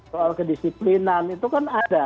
soal kedisiplinan itu kan ada